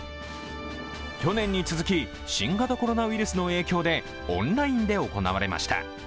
去年に続き、新型コロナウイルスの影響でオンラインで行われました。